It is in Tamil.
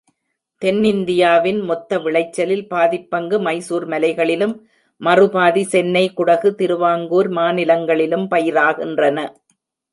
தென்னிந்தியாவின் மொத்த விளைச்சலில் பாதிப்பங்கு மைசூர் மலைகளிலும், மறுபாதி சென்னை, குடகு, திருவாங்கூர் மாநிலங்களிலும் பயிராகின்றன.